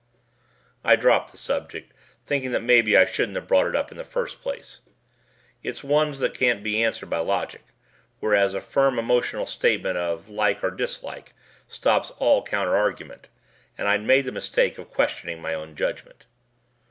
I dropped the subject thinking that maybe I shouldn't have brought it up in the first place. It's one that can't be answered by logic, whereas a firm emotional statement of like or dislike stops all counter argument and I'd made the mistake of questioning my own judgment.